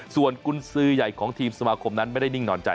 ส่วนกุญสือใหญ่ของทีมสมาคมนั้นไม่ได้นิ่งนอนใจ